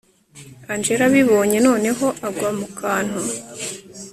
angella abibonye, noneho agwa mukantu